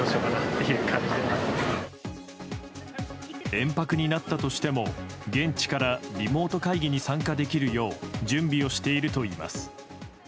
延泊になったとしても現地から、リモート会議に参加できるよう準備をしているといいます。